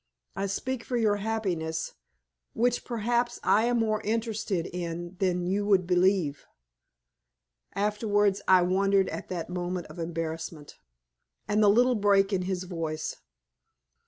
I speak for your happiness, which, perhaps, I am more interested in than you would believe." Afterwards I wondered at that moment of embarrassment, and the little break in his voice.